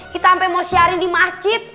kita sampai mau siarin di masjid